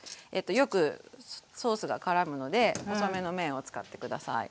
よくソースがからむので細めの麺を使って下さい。